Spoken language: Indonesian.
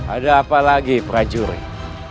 ada apa lagi prajurit